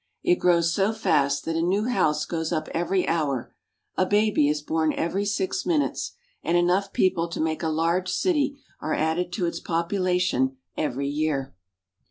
It grows so fast that a new house goes up every hour, a baby is born every six minutes, and enough people to make a large city are added to its population every year.